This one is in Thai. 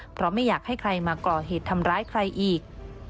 เพราะไม่อยากให้ใครมาก่อเหตุทำร้ายใครอีก